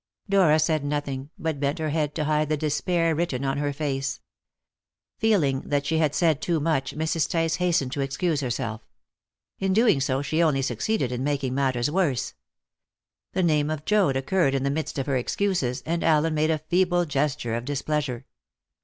Dora said nothing, but bent her head to hide the despair written on her face. Feeling that she had said too much, Mrs. Tice hastened to excuse herself; in doing so, she only succeeded in making matters worse. The name of Joad occurred in the midst of her excuses, and Allen made a feeble gesture of displeasure.